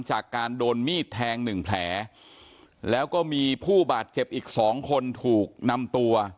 จากการโดนมีดแทงหนึ่งแผลแล้วก็มีผู้บาดเจ็บอีกสองคนถูกนำตัว